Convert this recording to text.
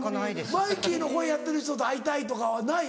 マイキーの声やってる人と会いたいとかはない？